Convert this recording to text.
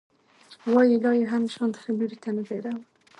وايي لا یې هم ژوند ښه لوري ته نه دی روان